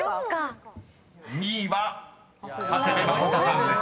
［２位は長谷部誠さんです］